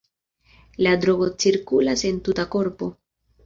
La drogo cirkulas en tuta korpo.